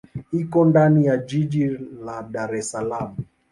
Iko ndani ya jiji la Dar es Salaam.